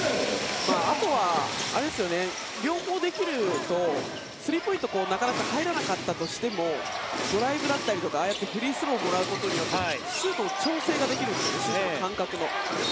あとは両方できるとスリーポイントなかなか入らなかったとしてもドライブだったりとかフリースローをもらうことでシュートの感覚が調整ができるんですね。